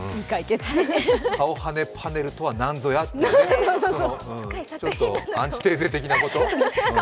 顔はめパネルとはなんぞやという、ちょっとアンチテーゼ的なこと？